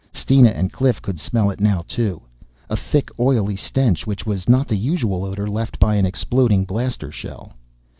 Steena and Cliff could smell it too now, a thick oily stench which was not the usual odor left by an exploding blaster shell.